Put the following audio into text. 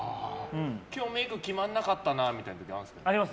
今日メイク決まんなかったなみたいな時あるんですか？